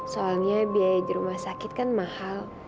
soalnya biaya di rumah sakit kan mahal